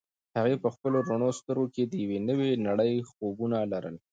هغې په خپلو رڼو سترګو کې د یوې نوې نړۍ خوبونه لرل.